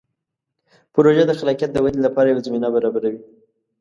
پروژه د خلاقیت د ودې لپاره یوه زمینه برابروي.